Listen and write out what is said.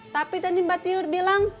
tapi tadi mbak tiur bilang